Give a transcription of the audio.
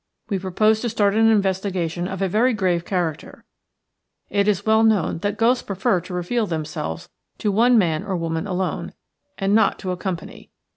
We propose to start an investigation of a very grave character. It is well known that ghosts prefer to reveal themselves to one man or woman alone, and not to a company.